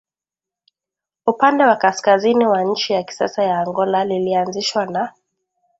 upande wa kaskazini wa nchi ya kisasa ya Angola Lilianzishwa na